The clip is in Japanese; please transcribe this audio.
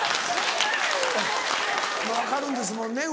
分かるんですもんね